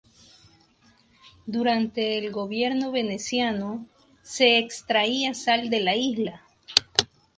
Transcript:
Durante el gobierno veneciano, se extraía sal de la isla.